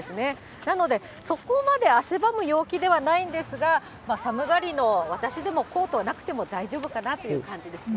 なので、そこまで汗ばむ陽気ではないんですが、寒がりの私でもコートなくても大丈夫かなという感じですね。